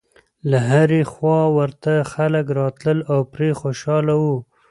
له هرې خوا ورته خلک راتلل او پرې خوشاله و.